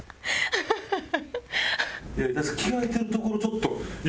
ハハハハ！